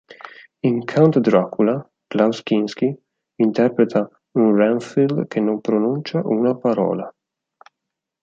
In "Count Dracula", Klaus Kinski interpreta un Renfield che non pronuncia una parola.